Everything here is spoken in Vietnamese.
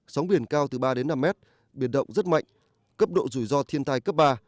sóng biển cao từ ba đến năm mét biển động rất mạnh cấp độ rủi ro thiên tai cấp ba